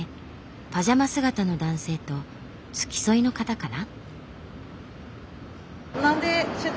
パジャマ姿の男性と付き添いの方かな？